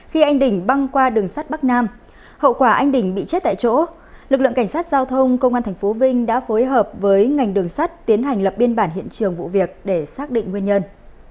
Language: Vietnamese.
khi anh đỉnh băng qua đường sắt bắc nam hậu quả anh đình bị chết tại chỗ lực lượng cảnh sát giao thông công an tp vinh đã phối hợp với ngành đường sắt tiến hành lập biên bản hiện trường vụ việc để xác định nguyên nhân